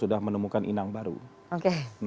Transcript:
sudah menemukan inang baru oke